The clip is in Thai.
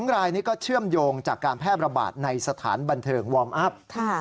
๒รายนี้ก็เชื่อมโยงจากการแพร่ระบาดในสถานบันเทิงวอร์มอัพ